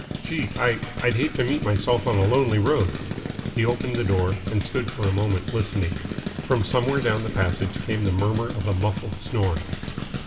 "Gee I I'd hate to meet myself on a lonely road!" He opened the door, and stood for a moment listening. From somewhere down the passage came the murmur of a muffled snore.